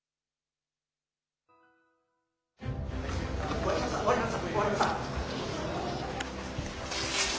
終わりました、終わりました。